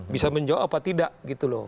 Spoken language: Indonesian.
bisa menjawab apa tidak gitu loh